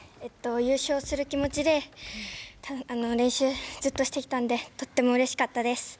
優勝する気持ちで練習ずっとしてきたんでとてもうれしかったです。